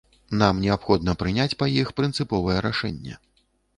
Нам неабходна прыняць па іх прынцыповае рашэнне.